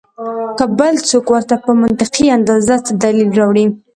کۀ بل څوک ورته پۀ منطقي انداز څۀ دليل راوړي